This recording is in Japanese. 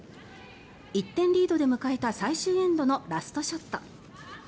１点リードで迎えた最終エンドのラストショット。